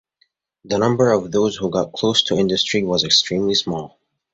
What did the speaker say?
The number of those who got close to industry was extremely small.